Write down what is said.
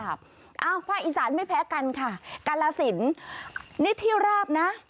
ภาคอีสานไม่แพ้กันค่ะกาลสินนี่เที่ยวราบนะ